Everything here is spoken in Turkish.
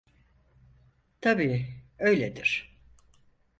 Tabii öyledir.